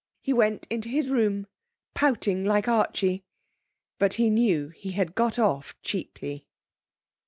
He went to his room, pouting like Archie. But he knew he had got off cheaply.